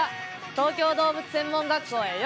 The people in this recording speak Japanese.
東京動物専門学校へようこそ！